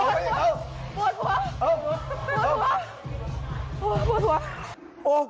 กลัวจับหัว